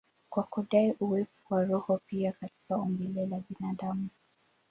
kwa kudai uwepo wa roho pia katika umbile la binadamu.